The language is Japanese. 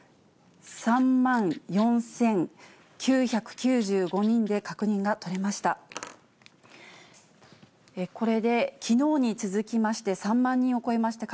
３万４９９５人で確認が取れました。